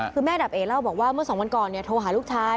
คือแม่ดาบเอเล่าบอกว่าเมื่อสองวันก่อนโทรหาลูกชาย